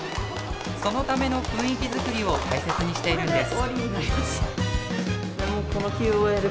そのための雰囲気作りを大切にしているんです。